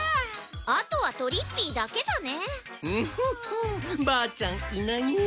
あとはとりっぴいだけだね。フフフばあちゃんいないな。